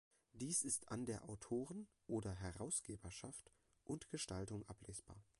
Dies ist an der Autoren- oder Herausgeberschaft und Gestaltung ablesbar.